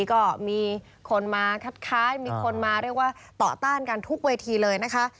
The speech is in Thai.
ก็มีคนมาคัดค้านมีคนมาเรียกว่าต่อต้านกันทุกเวทีเลยนะคะ